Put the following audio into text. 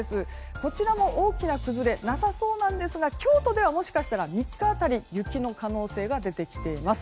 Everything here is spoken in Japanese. こちらも大きな崩れはなさそうなんですが京都ではもしかしたら３日辺り雪の可能性が出てきています。